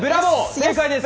正解です！